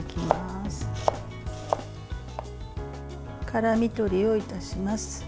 辛み取りをいたします。